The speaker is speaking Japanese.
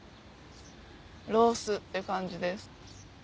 ロースって感じです。